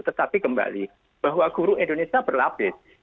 tetapi kembali bahwa guru indonesia berlapis